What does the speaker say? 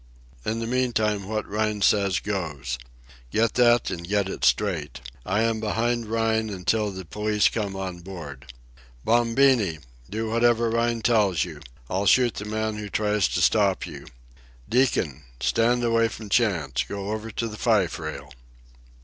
In the meantime, what Rhine says goes. Get that, and get it straight. I am behind Rhine until the police come on board.—Bombini! do whatever Rhine tells you. I'll shoot the man who tries to stop you.—Deacon! Stand away from Chantz. Go over to the fife rail."